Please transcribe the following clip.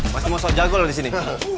masih mau sobat jago disini